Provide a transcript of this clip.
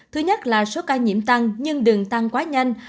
thứ nhất là số ca nhiễm tăng nhưng đường tăng quá nhanh